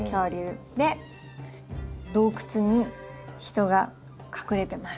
で洞窟に人が隠れてます。